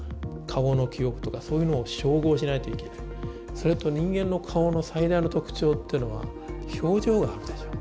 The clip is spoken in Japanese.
それと人間の顔の最大の特徴っていうのは表情があるでしょう。